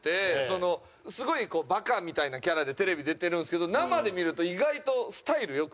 すごいバカみたいなキャラでテレビ出てるんですけど生で見ると意外とスタイル良くて。